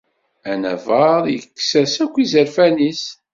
Anabaḍ yekkes-as akk izerfan-is.